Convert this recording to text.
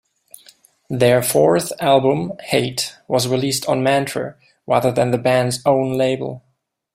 Their fourth album, "Hate", was released on Mantra rather than the band's own label.